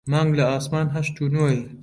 مانگ لە ئاسمان هەشت و نۆیە